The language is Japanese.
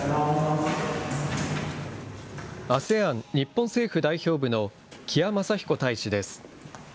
ＡＳＥＡＮ日本政府代表部の紀谷昌彦大使です。